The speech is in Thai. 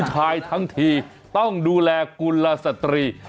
ผู้ชายทั้งทีต้องดูแลกุณฑาสตรี